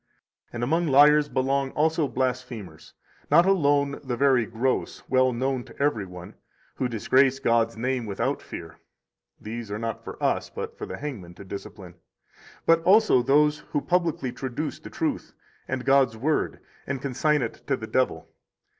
And among liars belong also blasphemers, not alone the very gross, well known to every one, who disgrace God's name without fear (these are not for us, but for the hangman to discipline); but also those who publicly traduce the truth and God's Word and consign it to the devil.